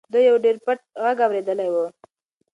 ده یو ډېر پټ غږ اورېدلی و.